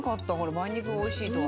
梅肉がおいしいとは。